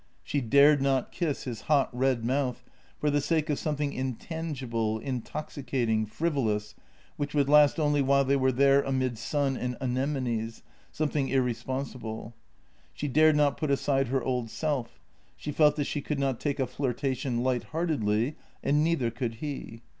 She dared not kiss his hot, red mouth, for the sake of something intangible, intoxicating, frivolous, which would last only while they were there amid sun and anemones — something irresponsible. She dared not put aside her old self ; she felt that she could not take a flirtation light heartedly, and neither could he.